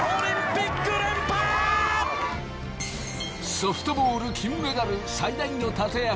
ソフトボール金メダル最大の立役者